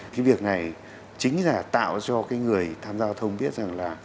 cái việc này chính là tạo cho cái người tham gia giao thông biết rằng là